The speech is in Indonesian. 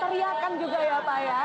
teriakan juga ya pak ya